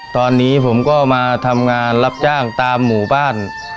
ตอนนี้ผมก็มาทำงานรับจ้างตามหมู่บ้าน